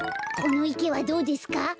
このいけはどうですか？